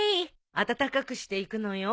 温かくして行くのよ。